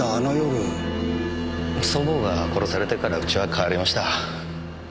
祖母が殺されてからうちは変わりました。